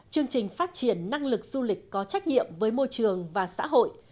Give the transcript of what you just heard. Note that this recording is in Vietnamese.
chương trình phát triển năng lực du lịch có trách nhiệm với môi trường và xã hội